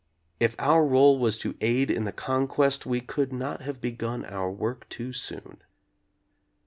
If our role was to aid in conquest, we could not have begun our work too soon.